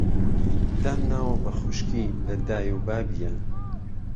دامناوه به خوشکی له دای و بابییه